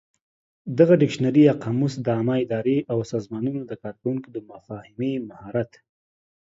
دغه ډکشنري یا قاموس د عامه ادارې او سازمانونو د کارکوونکو د مفاهمې مهارت